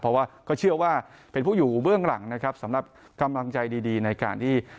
เพราะว่าก็เชื่อว่าเป็นผู้อยู่เบื้องหลังนะครับสำหรับกำลังใจดีในการที่